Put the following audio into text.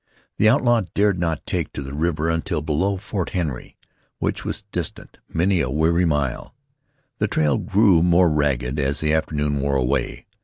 The outlaw dared not take to the river until below Fort Henry, which was distant many a weary mile. The trail grew more ragged as the afternoon wore away.